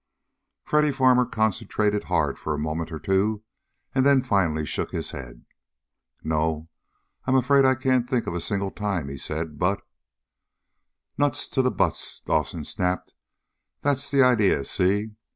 Freddy Farmer concentrated hard for a moment or two, and then finally shook his head. "No, I'm afraid I can't think of a single time," he said. "But " "Nuts to the buts!" Dawson snapped. "That's the idea, see?